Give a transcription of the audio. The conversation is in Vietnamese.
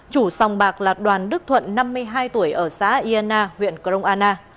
chủ sòng bạc là đoàn đức thuận năm mươi hai tuổi ở xã yên na huyện crom anna